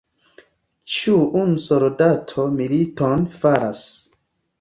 Ĉu unu soldato militon faras?